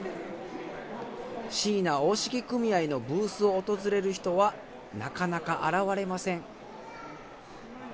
椎名大敷組合のブースを訪れる人はなかなか現れません。